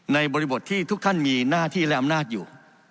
บริบทที่ทุกท่านมีหน้าที่และอำนาจอยู่